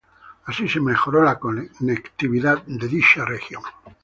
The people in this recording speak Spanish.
Así se mejoró la conectividad de dicha región.